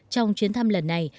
trong chiến thăm lần này